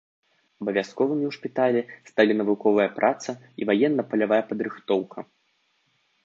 Абавязковымі ў шпіталі сталі навуковая праца і ваенна-палявая падрыхтоўка.